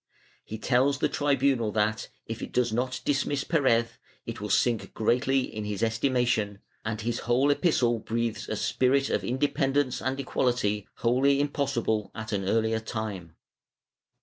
He tells the tribunal that, if it does not dismiss Perez it will sink greatly in his estimation, and his whole epistle breathes a spirit of inde pendence and equality wholly impossible at an earlier time.